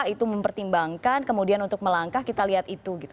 itu mempertimbangkan kemudian untuk melangkah kita lihat itu gitu